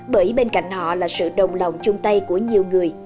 bởi bên cạnh họ là sự đồng lòng chung tay của nhiều người